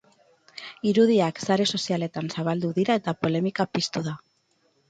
Irudiak sare sozialetan zabaldu dira eta polemika piztu da.